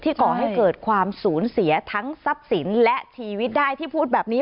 ก่อให้เกิดความสูญเสียทั้งทรัพย์สินและชีวิตได้ที่พูดแบบนี้